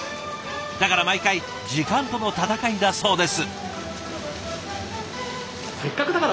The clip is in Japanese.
だから毎回時間との戦いだそうです。